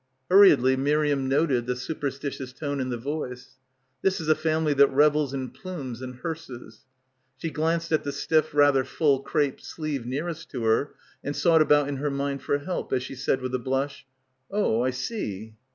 Hurriedly Miriam noted the superstitious tone in the voice. ... This is a family that revels in plumes and hearses. She glanced at the stiff rather full crape sleeve nearest to her and sought about in her mind for help as she said with a blush, "Oh, I see."